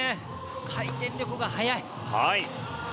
回転力が速い。